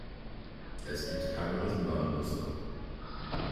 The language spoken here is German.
Es gibt keine Eisenbahn in Luster.